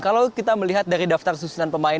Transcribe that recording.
kalau kita melihat dari daftar susunan pemain